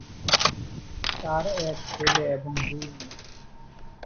তার এক ছেলে এবং দুই মেয়ে।